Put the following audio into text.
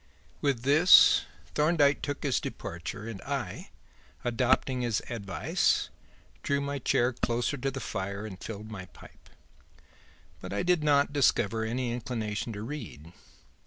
With this, Thorndyke took his departure; and I, adopting his advice, drew my chair closer to the fire and filled my pipe. But I did not discover any inclination to read.